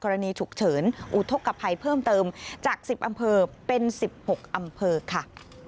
ฉุกเฉินอุทธกภัยเพิ่มเติมจาก๑๐อำเภอเป็น๑๖อำเภอค่ะ